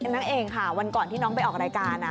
นั่นเองค่ะวันก่อนที่น้องไปออกรายการ